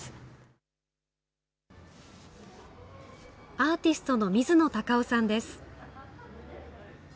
アーティストの水野貴男さんです。